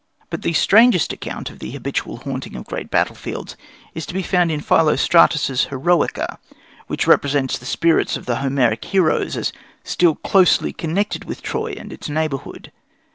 But the strangest account of the habitual haunting of great battlefields is to be found in Philostratus's Heroica, which represents the spirits of the Homeric heroes as still closely connected with Troy and its neighbourhood.